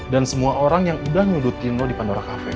dan semua orang yang udah nyudutin lu di pandora cafe